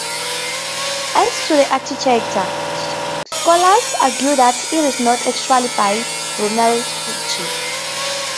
As to the architect, scholars argue that it is not actually by Brunelleschi.